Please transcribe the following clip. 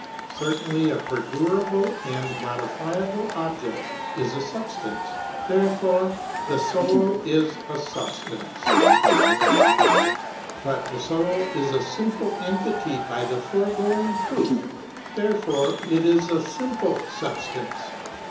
Certainly a per durable and modifiable object is a substance. Therefore the soul is a substance. But the soul is a simple entity by the foregoing proof. There fore it is a simple substance. § 53.